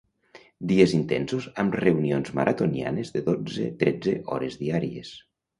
Dies intensos amb reunions maratonianes de dotze-tretze hores diàries.